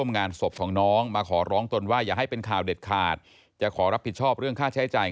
เนอร์โซรี่ครูอ้อ